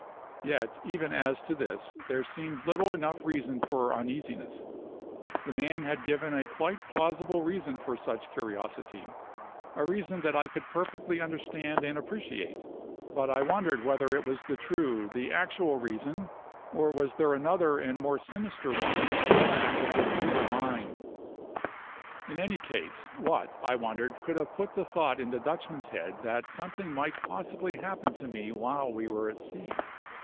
Yet, even as to this, there seemed little enough reason for uneasiness; the man had given a quite plausible reason for such curiosity, a reason that I could perfectly understand and appreciate; but I wondered whether it was the true, the actual reason; or was there another and more sinister one at the back of his evil mind. In any case, what, I wondered, could have put the thought in the Dutchman's head that something might possibly happen to me while we were at sea.